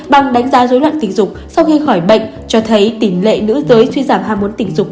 bằng đánh giá dối loạn tình dục sau khi khỏi bệnh cho thấy tỷ lệ nữ giới suy giảm ham muốn tình dục